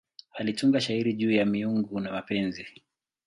Alitunga shairi juu ya miungu na mapenzi.